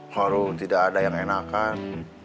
harum tidak ada yang enakan